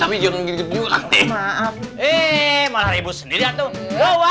ini aja deh kita pagi dua tim aku nangis dan meus idustri itu deh ini aja deh kita